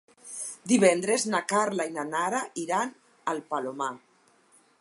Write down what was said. Divendres na Carla i na Nara iran al Palomar.